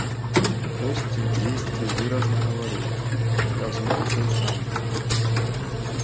Хтосьці дзесьці выразна гаварыў, і пасля зноў той самы!